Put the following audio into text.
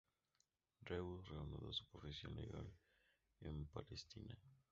Reuss reanudó su profesión legal en Palestina.